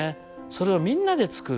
それをみんなで作るっていう。